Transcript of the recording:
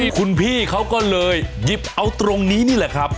คุณพี่เขาก็เลยหยิบเอาตรงนี้นี่แหละครับ